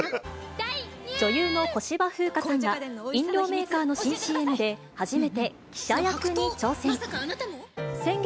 女優の小芝風花さんが、飲料メーカーの新ＣＭで、初めて記者役に挑戦。